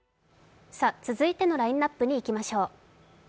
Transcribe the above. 続いてのラインナップにいきましょう。